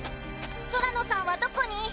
宙野さんはどこに。